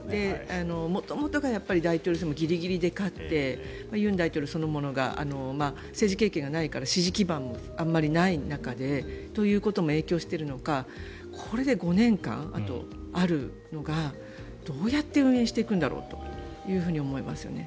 元々大統領選もギリギリで勝って尹大統領そのものも政治経験がないから支持基盤もあまりないことも影響しているのかこれであと５年間あるのがどうやって運営していくんだろうと思いますね。